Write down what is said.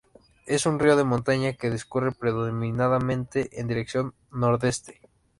Es un río de montaña que discurre predominantemente en dirección nordeste.